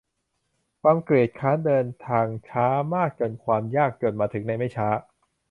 ความเกียจคร้านเดินทางช้ามากจนความยากจนมาถึงในไม่ช้า